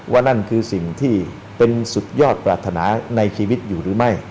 นั่นคือสิ่งที่เป็นสุดยอดปรารถนาในชีวิตอยู่หรือไม่